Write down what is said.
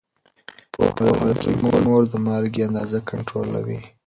پوهه لرونکې مور د مالګې اندازه کنټرولوي.